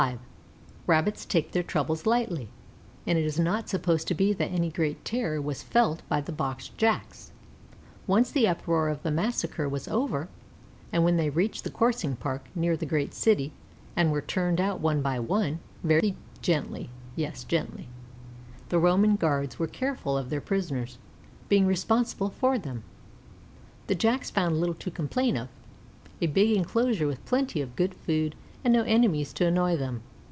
V Rabbits take their troubles lightly, and it is not to be supposed that any great terror was felt by the boxed Jacks, once the uproar of the massacre was over; and when they reached the Coursing Park near the great city and were turned out one by one, very gently, yes, gently; the Roman guards were careful of their prisoners, being responsible for them, the Jacks found little to complain of, a big inclosure with plenty of good food, and no enemies to annoy them.